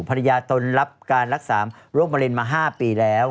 ตนรับการรักษาโรคมะเร็งมา๕ปีแล้ว